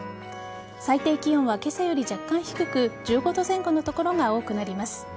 最低気温は今朝より若干低く１５度前後の所が多くなります。